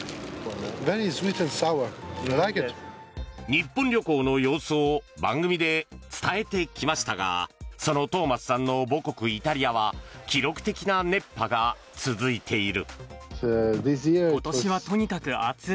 日本旅行の様子を番組で伝えてきましたがそのトーマスさんの母国イタリアは記録的な熱波が続いている。